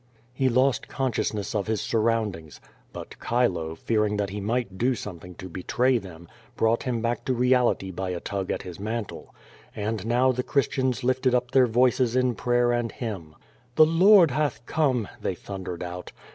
He lost consciousness of his surroundings. But Chilo, fear ing that he might do something to hetray them, brought him back to reality by a tug at his mantle. And now the Christiana lifted up their voices in prayer and hymn. "The Lord hatli come!' they thundered out.